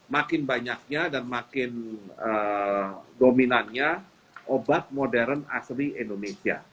makin banyaknya dan makin dominannya obat modern asli indonesia